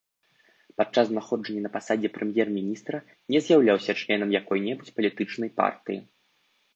Падчас знаходжання на пасадзе прэм'ер-міністра не з'яўляўся членам якой-небудзь палітычнай партыі.